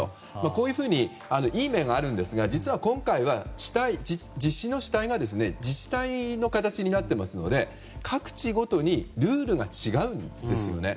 そういったいい面があるんですが実は今回は実施の主体が自治体の形になっていますので各地ごとにルールが違うんですよね。